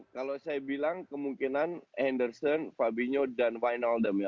kalau saya bilang kemungkinan henderson fabinho dan wijnaldum